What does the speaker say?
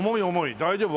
大丈夫？